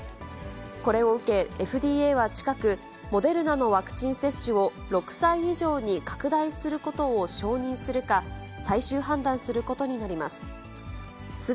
これを受け、ＦＤＡは近く、モデルナのワクチン接種を６歳以上に拡大することを承認するか、最終判断することになります。